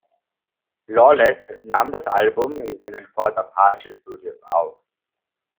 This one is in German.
Lawless nahm das Album in seinen Fort Apache Studios auf.